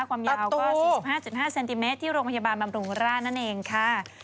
ความยาวตัว๔๕๕เซนติเมตรที่โรงพยาบาลบำรุงราชนั่นเองค่ะ